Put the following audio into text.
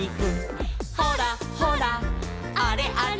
「ほらほらあれあれ」